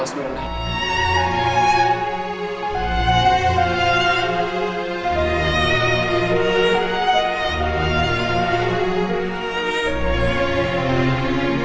susan duduknya disini itu buat ulan